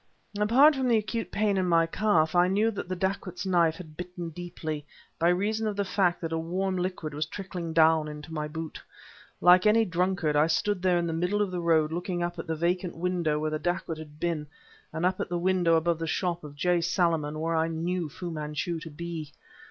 Apart from the acute pain in my calf I knew that the dacoit's knife had bitten deeply, by reason of the fact that a warm liquid was trickling down into my boot. Like any drunkard I stood there in the middle of the road looking up at the vacant window where the dacoit had been, and up at the window above the shop of J. Salaman where I knew Fu Manchu to be.